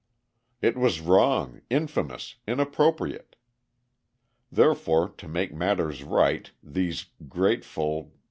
It was wrong, infamous, inappropriate. Therefore, to make matters right, these grateful